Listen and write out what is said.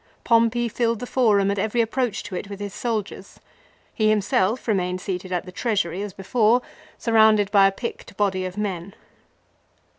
Pompey filled the Forum and every approach to it with his soldiers. He him self remained seated at the Treasury as before, surrounded by a picked body of men.